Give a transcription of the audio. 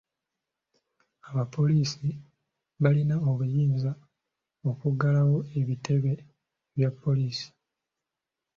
Abapoliisi balina obuyinza okuggalawo ebitebe bya poliisi.